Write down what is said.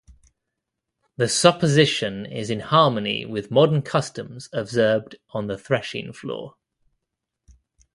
The supposition is in harmony with modern customs observed on the threshing-floor.